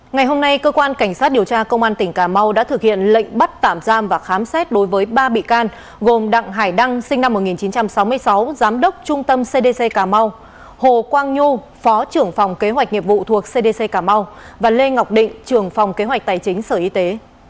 ngày hôm nay cơ quan cảnh sát điều tra công an tỉnh cà mau đã thực hiện lệnh bắt tạm giam và khám xét đối với ba bị can gồm đặng hải đăng sinh năm một nghìn chín trăm sáu mươi sáu giám đốc trung tâm cdc cảm mau hồ quang nhu phó trưởng phòng kế hoạch nghiệp vụ thuộc cdc cảm mau và lê ngọc định trưởng phòng kế hoạch tài chính sở y tế